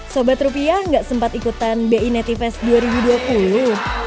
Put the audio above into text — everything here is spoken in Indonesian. sobat rupiah nggak sempat ikutan bi nativest dua ribu dua puluh